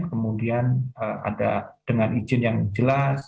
kemudian ada dengan izin yang jelas